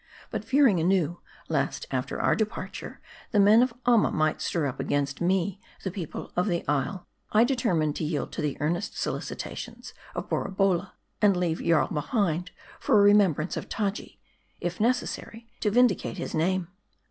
But fearing anew, lest after our departure, the men of Amma might stir up against me the people of the isle; I de termined to yield to the earnest solicitations of Borabolla, and leave Jarl behind, for a remembranee of Taji ; if neces sary, to vindicate his name.